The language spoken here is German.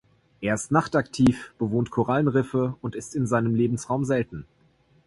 Er ist nachtaktiv, bewohnt Korallenriffe und ist in seinem Lebensraum selten.